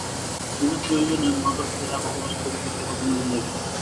বিনা প্রয়োজনে মাধবকে রাগ প্রকাশ করিতে কেহ কোনোদিন দেখে নাই।